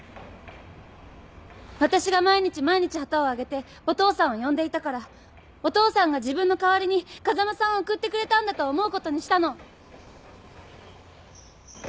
私が毎日毎日旗をあげてお父さんを呼んでいたからお父さんが自分の代わりに風間さんを贈ってくれたんだと思うことにしたの。